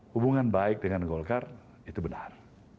hubungan baik dengan golkar itu benar